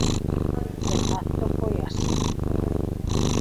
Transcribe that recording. De facto foi así.